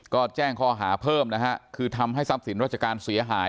ก็แจ้งข้อหาเพิ่มนะฮะคือทำให้ทรัพย์สินราชการเสียหาย